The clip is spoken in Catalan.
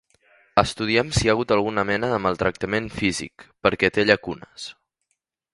Estudiem si hi ha hagut alguna mena de maltractament físic, perquè té llacunes.